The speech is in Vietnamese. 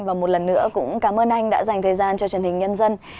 và một lần nữa cũng cảm ơn anh đã dành thời gian cho truyền hình nhân dân